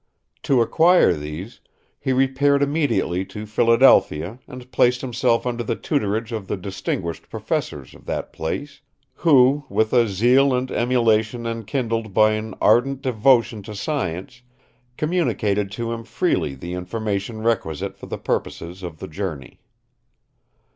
To acquire these, he repaired immediately to Philadelphia, and placed himself under the tutorage of the distinguished professors of that place, who, with a zeal and emulation enkindled by an ardent devotion to science, communicated to him freely the information requisite for the purposes of the journey.